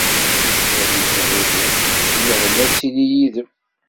Ad iniɣ ihi: Lehna ad tili yid-m!